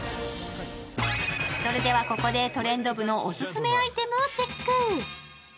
それではここで「トレンド部」のオススメアイテムをチェック。